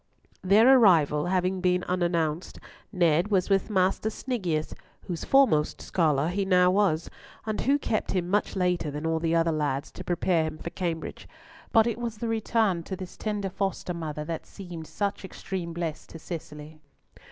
Their arrival having been unannounced, Ned was with Master Sniggius, whose foremost scholar he now was, and who kept him much later than the other lads to prepare him for Cambridge; but it was the return to this tender foster mother that seemed such extreme bliss to Cicely.